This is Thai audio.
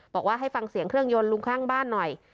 บอกว่าให้ฟังเสียงเครื่องยนต์ลุงข้างบ้านหน่อย